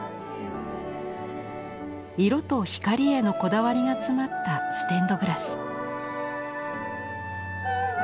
色と光へのこだわりが詰まったステンドグラス。